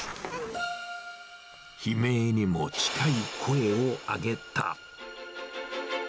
悲鳴にも近い声を上げた。